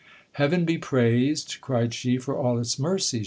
Heaven be praised, cried she, for all its mercies